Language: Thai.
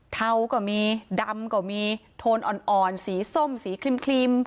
เทาก็มีดำก็มีโทนอ่อนสีส้มสีครีม